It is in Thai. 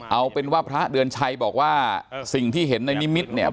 เอาเป็นว่าพระเดือนชัยบอกว่าสิ่งที่เห็นในนิมิตรเนี่ย